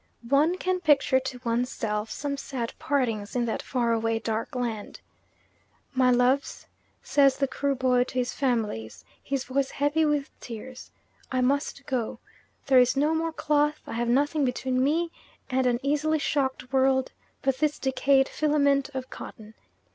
One can picture to one's self some sad partings in that far away dark land. "My loves," says the Kruboy to his families, his voice heavy with tears, "I must go. There is no more cloth, I have nothing between me and an easily shocked world but this decayed filament of cotton."